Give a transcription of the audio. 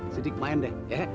sedik main deh